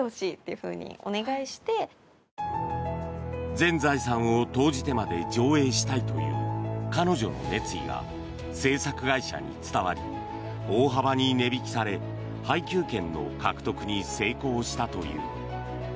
全財産を投じてまで上映したいという彼女の熱意が制作会社に伝わり大幅に値引きされ配給権の獲得に成功したという。